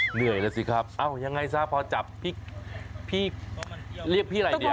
เหนื่อยแล้วสิครับเอ้ายังไงซะพอจับพี่เรียกพี่อะไรเนี่ย